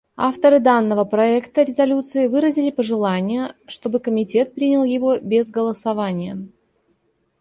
Авторы данного проекта резолюции выразили пожелание, чтобы Комитет принял его без голосования.